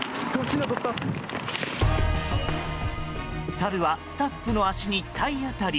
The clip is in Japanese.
サルはスタッフの足に体当たり。